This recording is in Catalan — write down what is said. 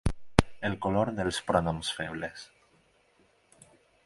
El color dels pronoms febles.